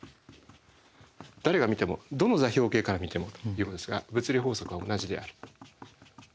誰が見てもどの座標系から見てもということですが物理法則は同じである。